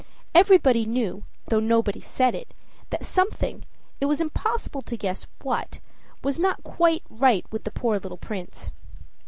Everybody knew, though nobody said it, that something, it was impossible to guess what, was not quite right with the poor little Prince.